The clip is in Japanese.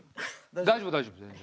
大丈夫大丈夫全然。